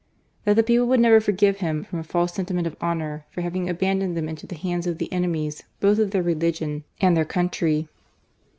That the people would nev^ forgive him, from a folse sentiment of honour, for having abandoned them into the hands of the enemies both of their religion and their countiy.